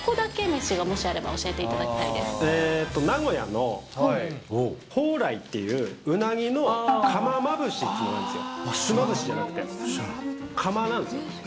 飯がもしあれば、教えていただえーと、名古屋の蓬莱っていううなぎの釜まぶしっていうのがあるんですよ、ひつまぶしじゃなくて、釜なんですよ。